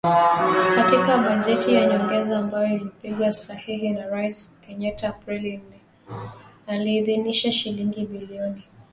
Katika bajeti ya nyongeza ambayo ilipigwa sahihi na Rais Kenyatta Aprili nne, aliidhinisha shilingi bilioni thelathini na nne.